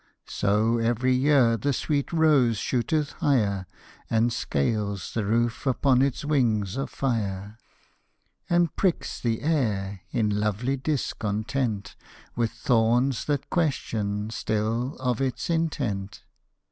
So, every year, the sweet rose shooteth higher, And scales the roof upon its wings of fire, And pricks the air, in lovely discontent, With thorns that question still of its intent.